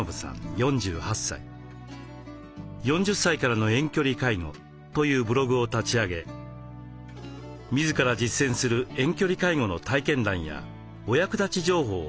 「４０歳からの遠距離介護」というブログを立ち上げ自ら実践する遠距離介護の体験談やお役立ち情報を発信しています。